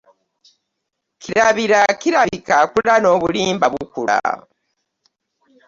Kirabira kirabika akula n'obulimba bukula!